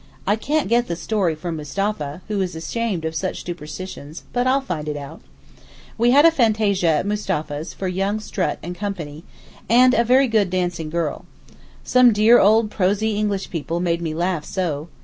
I can't get the story from Mustapha, who is ashamed of such superstitions, but I'll find it out. We had a fantasia at Mustapha's for young Strutt and Co., and a very good dancing girl. Some dear old prosy English people made me laugh so.